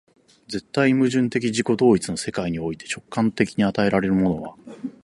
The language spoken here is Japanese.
絶対矛盾的自己同一の世界において、直観的に与えられるものは、